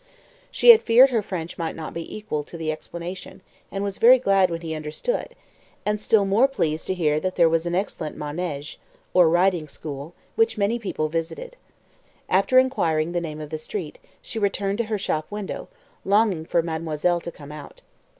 She had feared her French might not be equal to the explanation, and was very glad when he understood, and still more pleased to hear that there was an excellent manège, which many people visited. After inquiring the name of the street, she returned to her shop window, longing for mademoiselle to come out.